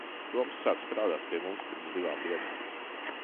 Toms sāka strādāt pie mums pirms divām dienām.